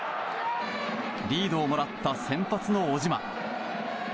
リードをもらった先発の小島。